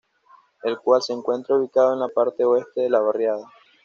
El cual se encuentra ubicado en la parte oeste de la barriada.